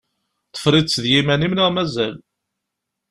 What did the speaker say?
Tefriḍ-tt d yiman-im neɣ mazal?